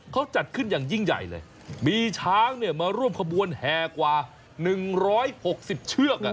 เขาจัดขึ้นอย่างยิ่งใหญ่เลยมีช้างเนี่ยมาร่วมขบวนแหกว่าหนึ่งร้อยหกสิบเชือก